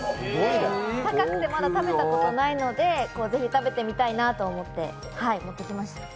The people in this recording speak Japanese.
高くてまだ食べたことないので是非、食べてみたいなと思って持ってきました。